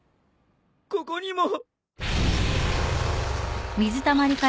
ここにも。